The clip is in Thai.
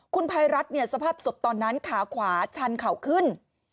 คุณภัยรัฐสภาพศพตอนนั้นขาขวาชันเข่าขึ้น